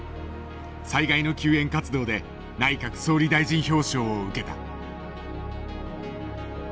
災害の救援活動で内閣総理大臣表彰を受けた。